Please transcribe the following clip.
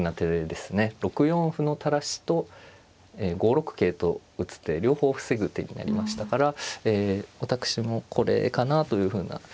６四歩の垂らしと５六桂と打つ手両方防ぐ手になりましたから私もこれかなというふうな予想をしていました。